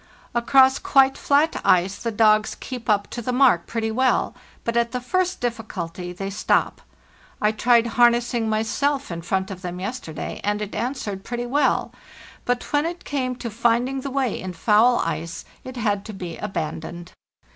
Across quite flat ice the dogs keep up to the mark pretty well, but at the first difficulty they stop. I tried harnessing myself in front of them yesterday, and it answered pretty well; but when it came to finding the way in foul ice it had to be abandoned.